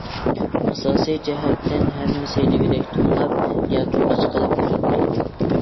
ئاساسىي جەھەتتىن ھەممىسى دېگۈدەك توڭلاپ ياكى ئاچ قېلىپ ئۆلۈپتۇ.